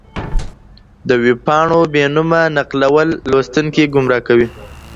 د ویبپاڼو بې نومه نقلول لوستونکي ګمراه کوي.